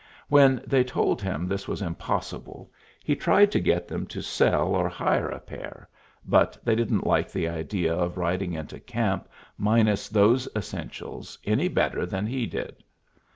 When they told him this was impossible he tried to get them to sell or hire a pair, but they didn't like the idea of riding into camp minus those essentials any better than he did.